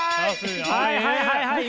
はいはいはいはい。